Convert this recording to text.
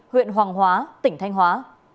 huyện hoàng hóa tỉnh thanh hóa